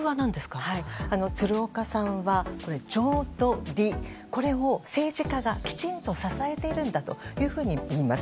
鶴岡さんは情と理、これを政治家がきちんと支えているんだといいます。